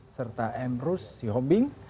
serta emrus syihombing